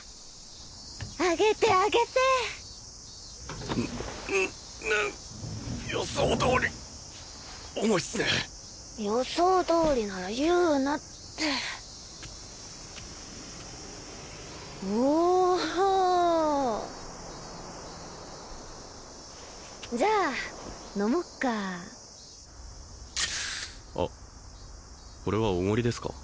上げて上げてうん予想どおり重いっすね予想どおりなら言うなっておおじゃあ飲もっかあこれはおごりですか？